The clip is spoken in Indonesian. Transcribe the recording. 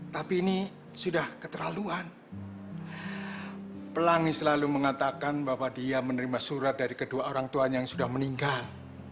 tapi ini sudah keterlaluan pelangi selalu mengatakan bahwa dia menerima surat dari kedua orang tuanya yang sudah meninggal